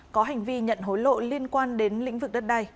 có hành vi nhận hối lộ liên quan đến lĩnh vực đất đai